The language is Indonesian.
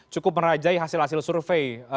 cukup merajai hasil hasil survei